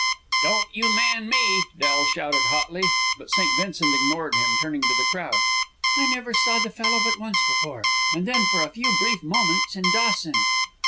"Don't you man me!" Del shouted, hotly. But St. Vincent ignored him, turning to the crowd. "I never saw the fellow but once before, and then for a few brief moments in Dawson."